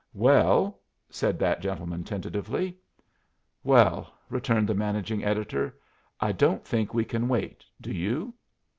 "Well," said that gentleman, tentatively. "Well," returned the managing editor, "I don't think we can wait; do you?"